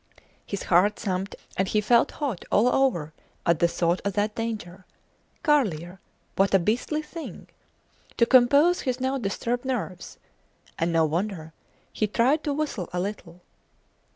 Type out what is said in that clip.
His heart thumped, and he felt hot all over at the thought of that danger. Carlier! What a beastly thing! To compose his now disturbed nerves and no wonder! he tried to whistle a little.